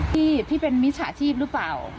พี่พี่เป็นมิจฉาชีพหรือเปล่า